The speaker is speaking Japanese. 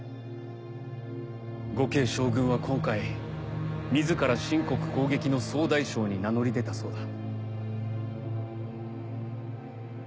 呉慶将軍は今回自ら秦国攻撃の総大将に名乗り出たそうだ。